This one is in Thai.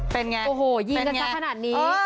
เป็นไงโอ้โหยิงกันสักขนาดนี้